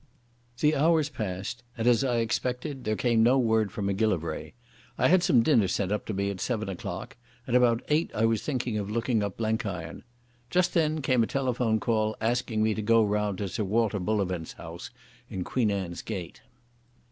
The hours passed, and, as I expected, there came no word from Macgillivray. I had some dinner sent up to me at seven o'clock, and about eight I was thinking of looking up Blenkiron. Just then came a telephone call asking me to go round to Sir Walter Bullivant's house in Queen Anne's Gate.